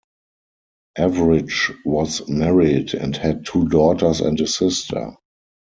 Avrich was married, and had two daughters and a sister.